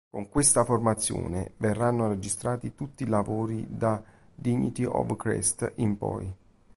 Con questa formazione verranno registrati tutti i lavori da "Dignity of crest" in poi.